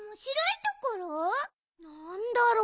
なんだろう？